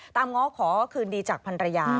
ตามง้องขอคืนดีจากพรยา